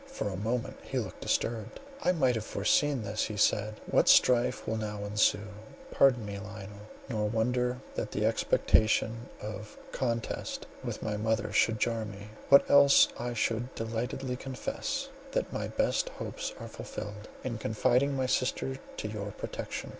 For a moment he looked disturbed—"I might have foreseen this," he said, "what strife will now ensue! Pardon me, Lionel, nor wonder that the expectation of contest with my mother should jar me, when else I should delightedly confess that my best hopes are fulfilled, in confiding my sister to your protection.